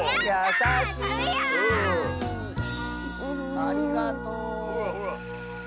ありがとう！